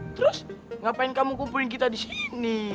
terus ngapain kamu kumpulin kita di sini